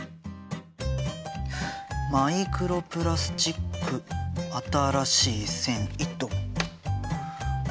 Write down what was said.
マイクロプラスチック新しい繊維っと。